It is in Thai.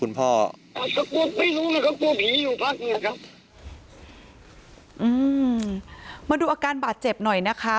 มาดูอาการบาดเจ็บหน่อยนะคะ